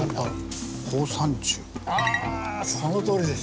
あそのとおりです。